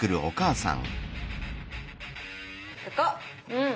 うん。